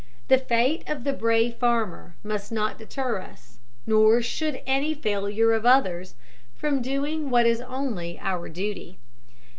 The fate of the brave farmer must not deter us nor should any failure of others from doing what is only our duty.